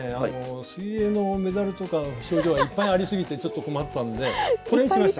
水泳のメダルとか賞状はいっぱいありすぎてちょっと困ったんでこれにしました。